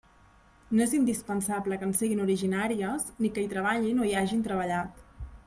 No és indispensable que en siguin originàries, ni que hi treballin o hi hagin treballat.